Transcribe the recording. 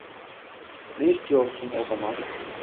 Ne istiyorsun o zaman?